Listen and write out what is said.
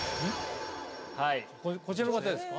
こちらの方ですか？